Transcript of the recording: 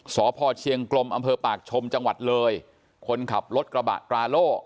สพเชียงกรมอปาชมจังหวัดเลยคนขับรถกระบะกลารโล